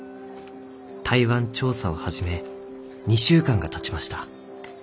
台湾調査を始め２週間がたちました。